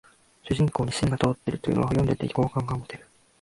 主人公に芯が通ってるというのは読んでて好感が持てる